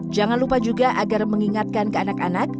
jangan lupa juga agar mengingatkan ke anak anak